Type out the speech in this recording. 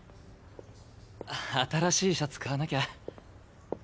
新しいシャツ買わなきゃ。